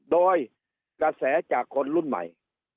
โดยกระแสจากคนรุ่นใหม่